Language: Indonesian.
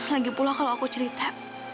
lagi pula kalau aku cerita